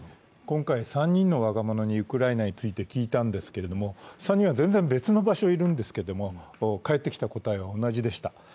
今回、３人の若者にウクライナについて聞いたんですけれども、３人は全然別の場所にいるんですが返ってきた答えは同じでした。